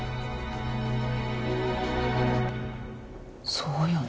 そうよね。